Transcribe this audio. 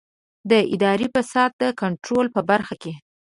د اداري فساد د کنټرول په برخه کې.